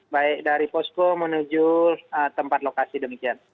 baik dari posko menuju tempat lokasi demikian